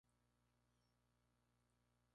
Lo mismo ocurrió con el teniente Vicente Silva.